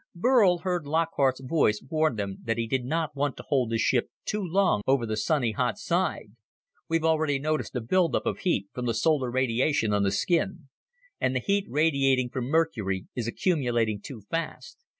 Burl heard Lockhart's voice warn them that he did not want to hold the ship too long over the sunny hot side. "We've already noticed a buildup of heat from the solar radiation on the skin. And the heat radiating from Mercury is accumulating too fast.